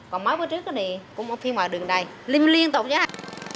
còn mái vô trước thì cũng phim ở đường này liên tục cháy